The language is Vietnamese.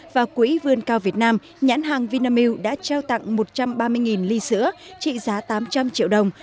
và quỹ vươn cao việt nam nhãn hàng vinamilk đã trao tặng một trăm ba mươi ly sữa trị giá tám trăm linh triệu đồng